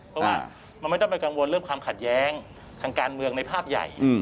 เพราะว่ามันไม่ต้องไปกังวลเรื่องความขัดแย้งทางการเมืองในภาพใหญ่